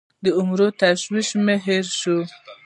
د عمرو تشویش مو هېر سوو